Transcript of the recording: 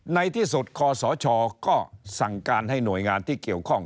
ในที่สุดคศก็สั่งการให้หน่วยงานที่เกี่ยวข้อง